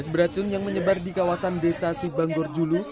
gas beracun yang menyebar di kawasan desa sibanggor julu